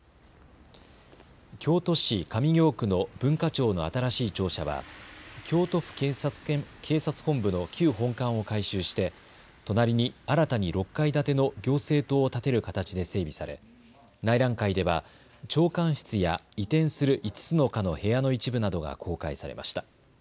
京都市上京区の文化庁の新しい庁舎は京都府警察本部の旧本館を改修して隣に新たに６階建ての行政棟を建てる形で整備され内覧会では長官室や移転する５つの課の部屋の一部などが公開されました。